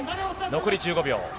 残り１５秒。